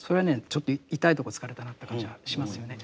ちょっと痛いとこ突かれたなという感じはしますよね。